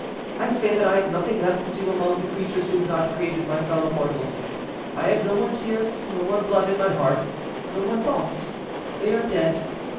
I say that I have nothing left to do among the creatures whom God created my fellow mortals; I have no more tears, no more blood in my heart; no more thoughts—they are dead.